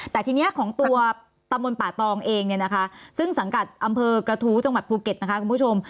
แต่ทีนี้ของตัวตำบลป่าตองเองเนี่ยนะคะซึ่งสังกัดอำเภอกระทู้จังหวัดภูเก็ตนะคะคุณผู้ชม